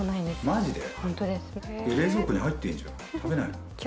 「マジで⁉」